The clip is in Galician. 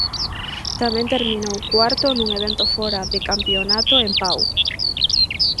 Tamén terminou cuarto nun evento fora de campionato en Pau.